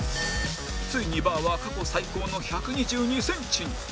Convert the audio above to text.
ついにバーは過去最高の１２２センチに